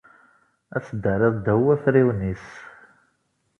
Ad teddariḍ ddaw wafriwen-is.